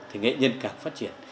thì nghệ nhân càng phát triển